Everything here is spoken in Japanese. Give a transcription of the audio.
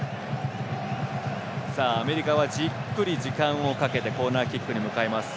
アメリカはじっくり時間をかけてコーナーキックに向かいます。